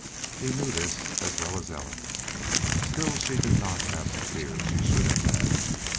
He knew this as well as Ellen. Still she did not have the fear she should have had.